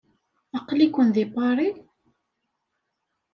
Aql-iken deg Paris?